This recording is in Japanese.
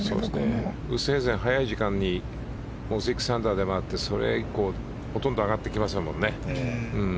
早い時間に６アンダーで回ってそれ以降、ほとんど上がってきませんもんね。